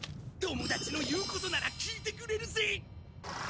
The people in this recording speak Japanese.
友達の言うことなら聞いてくれるぜ！